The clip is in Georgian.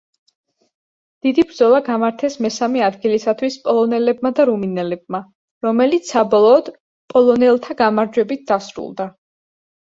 დიდი ბრძოლა გამართეს მესამე ადგილისათვის პოლონელებმა და რუმინელებმა, რომელიც საბოლოოდ პოლონელთა გამარჯვებით დასრულდა.